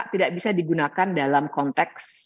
tidak bisa digunakan dalam konteks